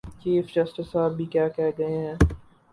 Chief justice صاحب بھی کیا کہہ گئے ہیں؟